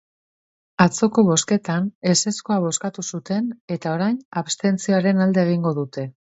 Atzoko bozketan ezezkoa bozkatu zuten eta orain abstentzioaren alde egingo dute.